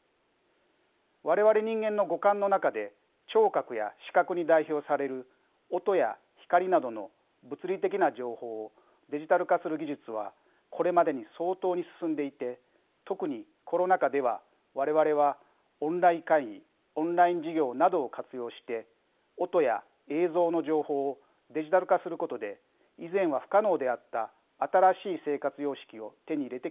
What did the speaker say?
我々人間の五感の中で聴覚や視覚に代表される音や光などの物理的な情報をデジタル化する技術はこれまでに相当に進んでいて特にコロナ禍では我々はオンライン会議オンライン授業などを活用して音や映像の情報をデジタル化することで以前は不可能であった新しい生活様式を手に入れてきました。